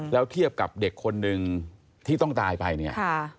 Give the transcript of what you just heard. แล้วเทียบกับเด็กคนหนึ่งที่ต้องตายไปเนี่ย